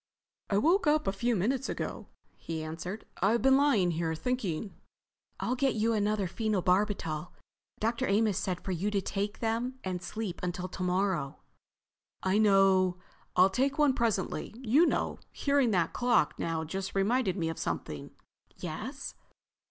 "I woke up a few minutes ago," he answered. "I've been lying here—thinking." "I'll get you another phenobarbital. Dr. Amos said for you to take them and sleep until tomorrow." "I know. I'll take one presently. You know—hearing that clock just now reminded me of something." "Yes?"